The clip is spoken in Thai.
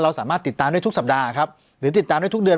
สามารถติดตามได้ทุกสัปดาห์ครับหรือติดตามได้ทุกเดือน